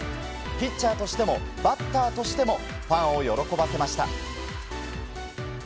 ピッチャーとしてもバッターとしてもファンを喜ばせました。